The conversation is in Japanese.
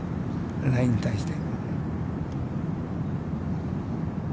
ラインに対して。